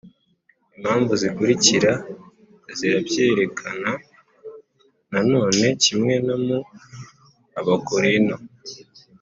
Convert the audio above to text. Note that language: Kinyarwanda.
Impamvu zikurikira zirabyerekana Na none kimwe no mu Abakorinto,